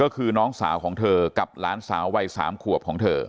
คือนายสามที่สาวของเธอกับล้านสาวที่อายุ๓ขวบ